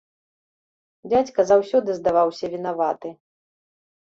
Дзядзька заўсёды здаваўся вінаваты.